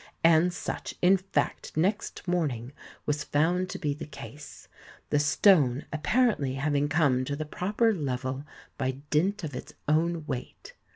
And such, in fact, next morning, was found to be the case, the stone appar ently having come to the proper level by dint of its own weight.